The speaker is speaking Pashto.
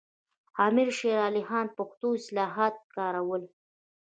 امیر شیر علي خان پښتو اصطلاحات کارول.